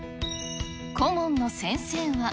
顧問の先生は。